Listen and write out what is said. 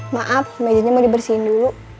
maaf mejanya mau dibersihin dulu